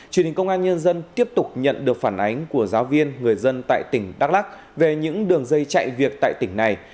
truyền hình công an nhân dân tiếp tục nhận được phản ánh của giáo viên người dân tại tỉnh đắk lắc về những đường dây chạy việc tại tỉnh này